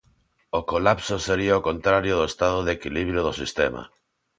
O colapso sería o contrario do estado de equilibrio do sistema.